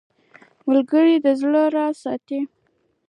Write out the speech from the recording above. ملګری د زړه راز ساتي